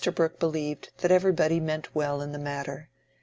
Brooke believed that everybody meant well in the matter.